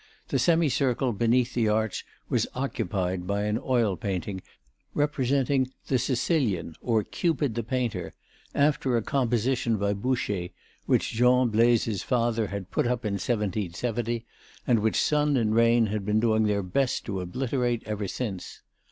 The semicircle beneath the arch was occupied by an oil painting representing "the Sicilian or Cupid the Painter," after a composition by Boucher, which Jean Blaise's father had put up in 1770 and which sun and rain had been doing their best to obliterate ever since.